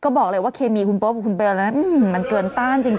ก็บอกเลยว่าเคมีคุณปุ๊บเบลล์มันเกินต้านจริง